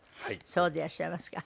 そうでいらっしゃいますか。